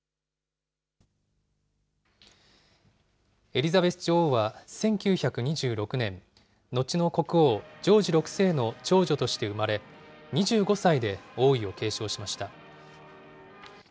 エリザベス女王は１９２６年、後の国王、ジョージ６世の長女として生まれ、２５歳で王位を継承しました。